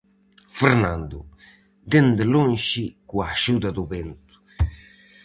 Fernando, dende lonxe coa axuda do vento.